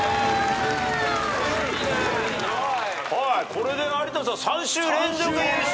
これで有田さん３週連続優勝。